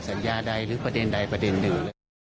สัญญาใดหรือประเด็นใดประเด็นหนึ่ง